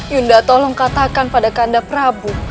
yunda tolong katakan pada kanda prabu